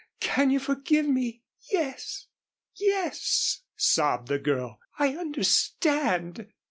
Can you forgive me?" "Yes yes," sobbed the girl. "I understand."